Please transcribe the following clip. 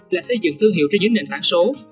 là xây dựng thương hiệu trên những nền tảng số